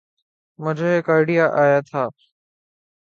مجھے ایک آئڈیا آیا تھا۔